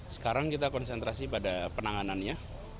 sekarang kita konsentrasi pada penanganannya